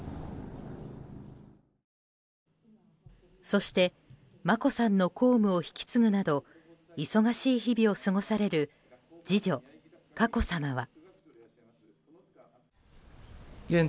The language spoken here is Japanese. そして眞子さんの公務を引き継ぐなど忙しい日々を過ごされる次女・佳子さまは。